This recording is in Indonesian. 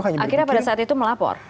akhirnya pada saat itu melapor